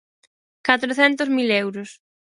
¡Catrocentos mil euros!